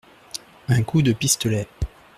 Un coup de pistolet.